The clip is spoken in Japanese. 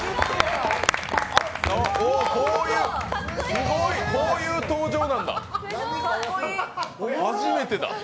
すごい、こういう登場なんだ、初めてだ。